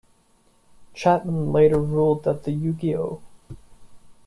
Chapman later ruled that the "Yu-Gi-Oh!